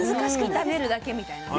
炒めるだけみたいなね。